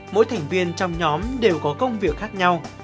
mỗi thành viên trong nhóm đều có công việc khác nhau